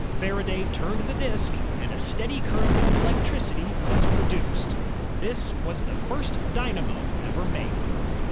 Faraday turned the disk, and a steady current of electricity was produced. This was the first dynamo ever made.